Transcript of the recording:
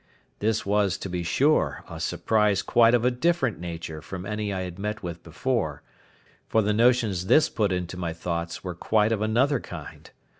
This was, to be sure, a surprise quite of a different nature from any I had met with before; for the notions this put into my thoughts were quite of another kind.